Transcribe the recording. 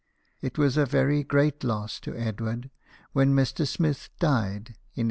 It was a very great loss to Edward when Mr. Smith died, in 1854.